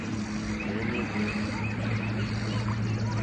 Tɔ̀ímá èhwórzí.